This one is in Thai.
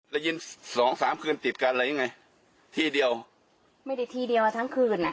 ได้ยินสองสามคืนติดกันอะไรยังไงที่เดียวไม่ได้ที่เดียวอ่ะทั้งคืนอ่ะ